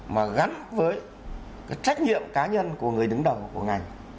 mà gắn với cái trách nhiệm cá nhân của người đứng đầu của ngành